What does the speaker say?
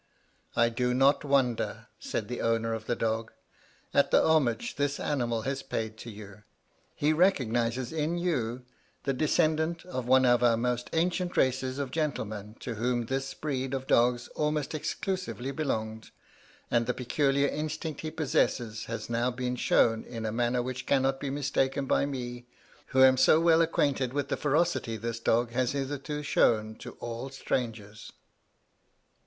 "I do not wonder," said the owner of the dog, "at the homage this animal has paid to you. He recognizes in you the descendant of one of our most ancient race of gentlemen to whom this breed of dogs almost exclusively belonged, and the peculiar instinct he possesses has now been shown in a manner which cannot be mistaken by me, who am so well acquainted with the ferocity this dog has hitherto shown to all strangers."